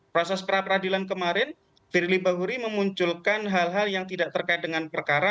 proses pra peradilan kemarin firly bahuri memunculkan hal hal yang tidak terkait dengan perkara